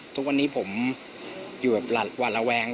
ทุกวันนี้ผมอยู่แบบหวาดระแวง